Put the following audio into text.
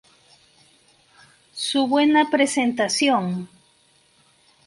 Su buena presentación.